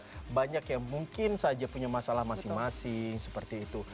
orang juga banyak ya mungkin saja punya masalah masing masing seperti itu